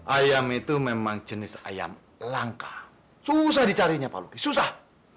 ayam itu memang jenis ayam langka susah dicarinya pak luki susah